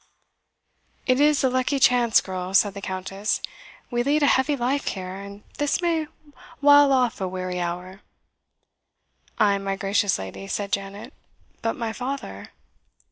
"It is a lucky chance, girl," said the Countess; "we lead a heavy life here, and this may while off a weary hour." "Ay, my gracious lady," said Janet; "but my father?"